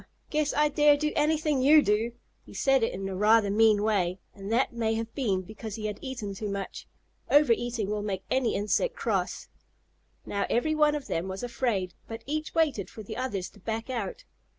Guess I dare do anything you do!" He said it in a rather mean way, and that may have been because he had eaten too much. Overeating will make any insect cross. Now every one of them was afraid, but each waited for the others to back out.